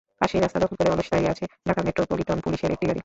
পাশেই রাস্তা দখল করে অলস দাঁড়িয়ে আছে ঢাকা মেট্রোপলিটন পুলিশের একটি গাড়ি।